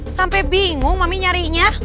sampai bingung mami nyariinnya